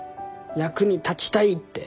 「役に立ちたい」って。